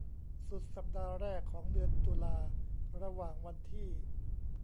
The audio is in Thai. สุดสัปดาห์แรกของเดือนตุลาระหว่างวันที่